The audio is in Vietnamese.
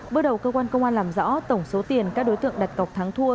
bước đầu cơ quan công an làm rõ tổng số tiền các đối tượng đặt cọc thắng thua